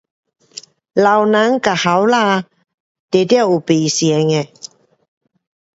老人跟年轻，一点有不同的。